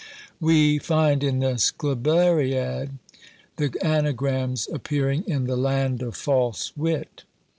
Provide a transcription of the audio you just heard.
We find in the Scribleriad, the ANAGRAMS appearing in the land of false wit.